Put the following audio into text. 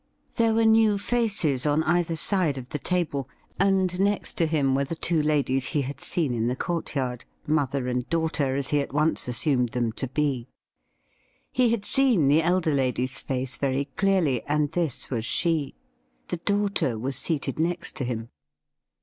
There were new faces on either side of the table, and next to him were the two ladies he had seen in the court yard — mother and daughter, as he at once assumed them :^0 THE RIDDLE RING to be. He had seen the elder lady's face very clearly, and this was she. The daughter was seated next to him.